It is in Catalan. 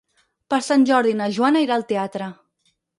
Per Sant Jordi na Joana irà al teatre.